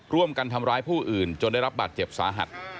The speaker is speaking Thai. ร่วมกันทำร้ายผู้อื่นจนได้รับบาดเจ็บสาหัส